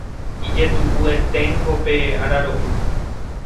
Ijetu'ueténgo pe araro'y